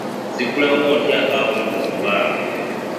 Nzigulawo ntya akawunti mu bbanka?